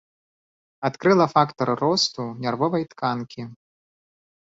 Адкрыла фактар росту нервовай тканкі.